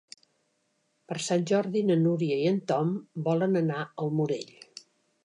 Per Sant Jordi na Núria i en Tom volen anar al Morell.